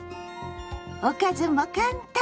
おかずも簡単！